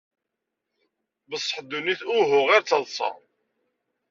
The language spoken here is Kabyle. Beṣṣeḥ dunnit uhu ɣir d taṣṣa.